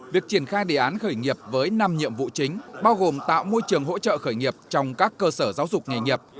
việc triển khai đề án khởi nghiệp với năm nhiệm vụ chính bao gồm tạo môi trường hỗ trợ khởi nghiệp trong các cơ sở giáo dục nghề nghiệp